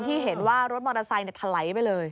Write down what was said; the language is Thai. ที่เห็นว่ารถมอเตอร์ไซค์ถลายไปเลย